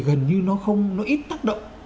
gần như nó không nó ít tác động